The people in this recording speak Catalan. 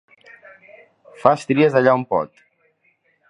Fa estries allà on pot.